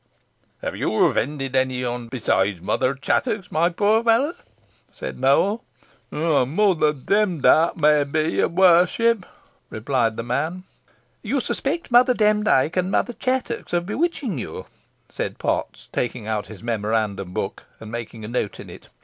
"Have you offended any one besides Mother Chattox, my poor fellow?" said Nowell. "Mother Demdike, may be, your warship," replied the man. "You suspect Mother Demdike and Mother Chattox of bewitching you," said Potts, taking out his memorandum book, and making a note in it.